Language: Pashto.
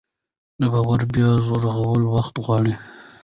د باور بیا رغول وخت غواړي